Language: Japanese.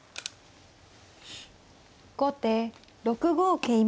後手６五桂馬。